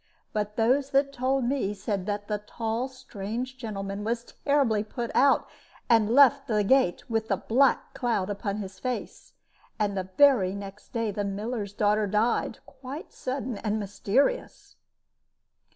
But those that told me said that the tall strange gentleman was terribly put out, and left the gate with a black cloud upon his face, and the very next day the miller's daughter died, quite sudden and mysterious."